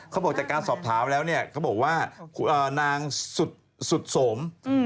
เขาบอกจากการสอบถามแล้วเนี่ยเขาบอกว่านางสุดสม